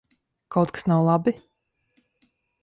Kaut kas nav labi?